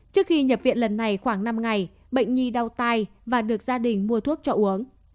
trước khi nhập viện lần này khoảng năm ngày bệnh nhi đau tay và được gia đình mua thuốc cho uống